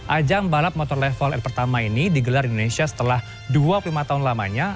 ajang balap motor level air pertama ini digelar di indonesia setelah dua puluh lima tahun lamanya